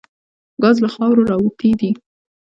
ګاز له خاورو راوتي دي.